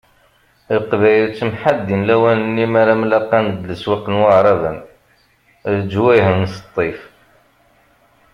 Leqbayel ttemḥaddin lawan-nni m'ara mmlaqan deg leswaq n Waεraben, leǧwayeh n Sṭif.